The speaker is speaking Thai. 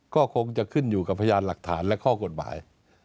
ก็คงจะขึ้นอยู่กับพยานหลักฐานและข้อกฎหมาย